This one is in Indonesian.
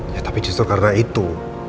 ya tapi justru karena itu